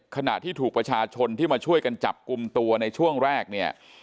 ขณะที่ถูกประชาชนที่มาช่วยกันจับกลุ่มตัวในช่วงแรกเนี่ย